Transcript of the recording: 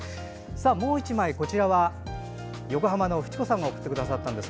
もう１枚、こちらは横浜のふちこさんが送ってくださいました。